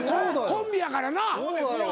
コンビやからな。